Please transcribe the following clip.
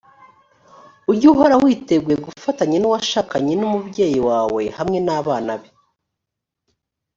ujye uhora witeguye gufatanya n’uwashakanye n’umubyeyi wawe hamwe n’abana be.